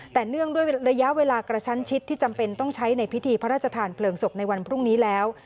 แต่เนื่องด้วยระยะเวลากระชั้นชิดที่จำเป็นต้องใช้ในพิธีพระราชทานเพลิงศพในวันพรุ่งนี้แล้ว